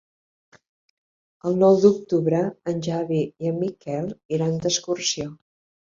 El nou d'octubre en Xavi i en Miquel iran d'excursió.